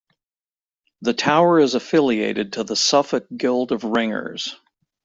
The tower is affiliated to the Suffolk Guild of Ringers.